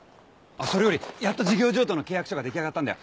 それよりやっと事業譲渡の契約書が出来上がったんだよ。